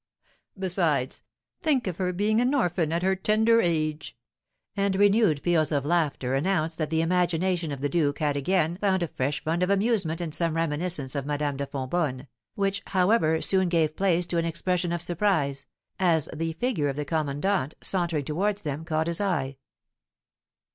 Besides, think of her being an orphan at her tender age!" And renewed peals of laughter announced that the imagination of the duke had again found a fresh fund of amusement in some reminiscence of Madame de Fonbonne; which, however, soon gave place to an expression of surprise, as the figure of the commandant, sauntering towards them, caught his eye.